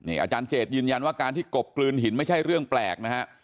อาจารย์เจดยืนยันว่าการที่กบกลืนหินไม่ใช่เรื่องแปลกนะฮะ